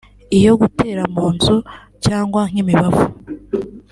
iyo gutera (mu nzu) cyangwa nk’imibavu